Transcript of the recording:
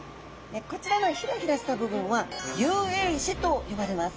こちらのヒラヒラした部分は遊泳肢と呼ばれます。